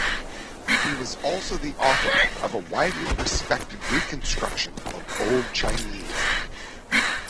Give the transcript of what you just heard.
He was also the author of a widely respected reconstruction of Old Chinese.